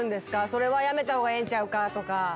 「それはやめた方がええんちゃうか」とか。